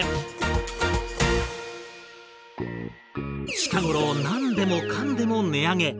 近頃何でもかんでも値上げ。